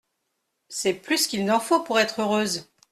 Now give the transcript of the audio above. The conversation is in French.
C'est plus qu'il n'en faut pour être heureuse.